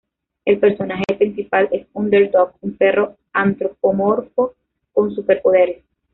El personaje principal es Underdog, un perro antropomorfo con superpoderes.